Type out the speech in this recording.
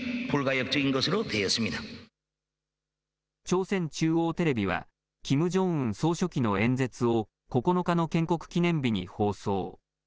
朝鮮中央テレビはキム・ジョンウン総書記の演説を９日の建国記念日に放送。